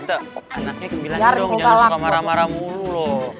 anaknya bilang dong jangan suka marah marah mulu loh